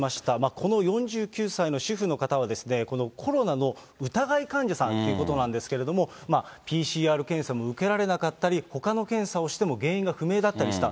この４９歳の主婦の方は、このコロナの疑い患者さんということなんですけれども、ＰＣＲ検査も受けられなかったり、ほかの検査をしても原因が不明だったりした。